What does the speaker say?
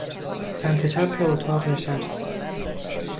سمت چپ اتاق نشست.